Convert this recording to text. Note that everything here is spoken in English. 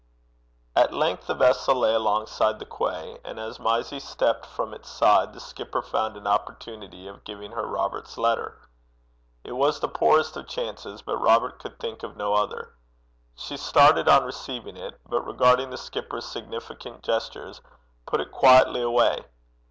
At length the vessel lay alongside the quay, and as Mysie stepped from its side the skipper found an opportunity of giving her Robert's letter. It was the poorest of chances, but Robert could think of no other. She started on receiving it, but regarding the skipper's significant gestures put it quietly away.